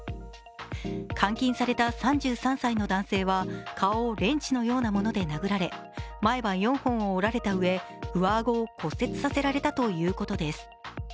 監禁された３３歳の男性は顔をレンチのようなもので殴られ前歯４本を折られたうえ、上顎を骨折させられたということです。